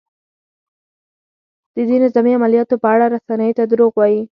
د دې نظامي عملیاتو په اړه رسنیو ته دروغ وايي؟